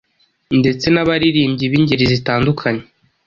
ndetse n’abaririmbyi b'ingeri zitandukanye.